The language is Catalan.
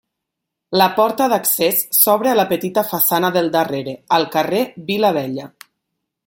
La porta d'accés s'obre a la petita façana del darrere, al carrer Vila Vella.